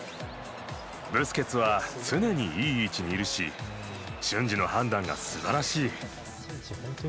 ブスケツは常にいい位置にいるし瞬時の判断がすばらしい。